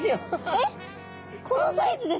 えっこのサイズですか？